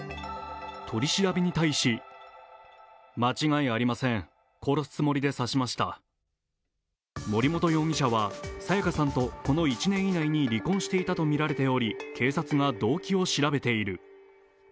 取り調べに対し森本容疑者は彩加さんとこの１年以内に離婚していたとみられており警察が動機を調べている。